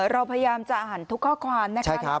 เราพยายามจะอ่านทุกข้อความนะคะ